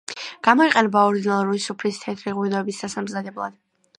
გამოიყენება ორდინალური სუფრის თეთრი ღვინოების დასამზადებლად.